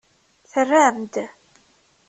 Terram-d.